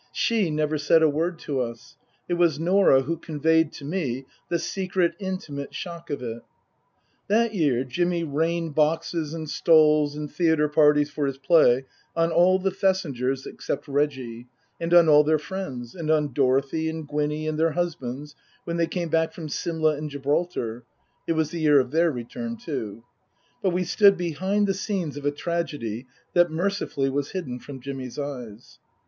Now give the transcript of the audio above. She never said a word to us. It was Norah who conveyed to me the secret, intimate shock of it. That year Jimmy rained boxes and stalls and theatre parties for his play on all the Thesigers (except Reggie) and on all their friends, and on Dorothy and Gwinny and their husbands when they came back from Simla and Gibraltar (it was the year of their return too) ; but we stood behind the scenes of a tragedy that mercifully was hidden from Jimmy's eyes.